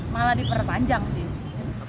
malah diperpanjang sih